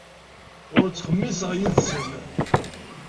Ur ttxemmiseɣ yid-sen.